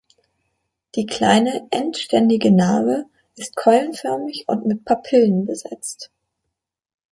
Die kleine, endständige Narbe ist keulenförmig und mit Papillen besetzt.